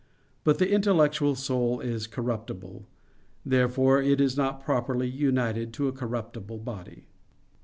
But the intellectual soul is incorruptible. Therefore it is not properly united to a corruptible body.